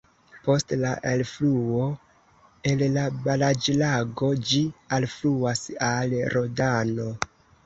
Post la elfluo el la baraĵlago ĝi alfluas al Rodano.